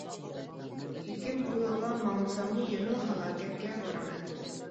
لېكىن بۇ يولغا ماڭمىساممۇ يەنىلا ھالاكەتكە بارىمەن.